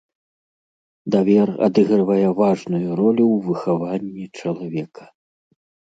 Давер адыгрывае важную ролю ў выхаванні чалавека.